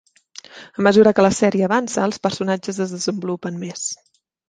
A mesura que la sèrie avança, els personatges es desenvolupen més.